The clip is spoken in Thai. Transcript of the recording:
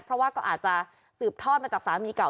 เพราะว่าก็อาจจะสืบทอดมาจากสามีเก่า